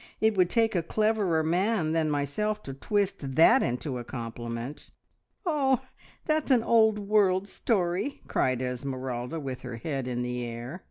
It would take a cleverer man than myself to twist that into a compliment!'" "Oh, that's an old world story!" cried Esmeralda, with her head in the air.